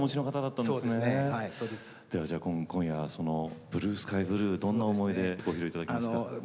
今夜「ブルースカイブルー」どんな思いでご披露いただきますか？